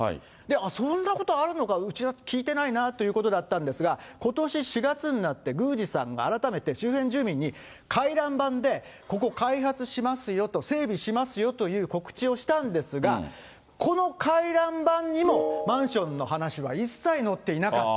そんなことあるのか、うちは聞いてないなということだったんですが、ことし４月になって、宮司さんが改めて周辺住民に、回覧板で、ここを開発しますよと、整備しますよという告知をしたんですが、この回覧板にもマンションの話は一切載っていなかった。